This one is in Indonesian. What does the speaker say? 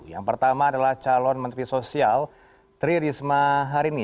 yang pertama adalah calon menteri sosial tri risma harini